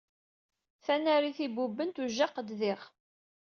Tanarit ibubben tujjaqed diɣ.